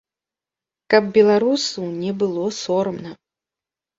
Каб беларусу не было сорамна!